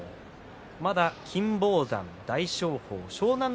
まだ金峰山、大翔鵬、湘南乃